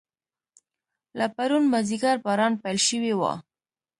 له پرون مازیګر باران پیل شوی و.